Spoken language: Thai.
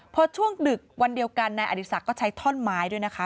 พอช่วงดึกวันเดียวกันนายอดีศักดิ์ก็ใช้ท่อนไม้ด้วยนะคะ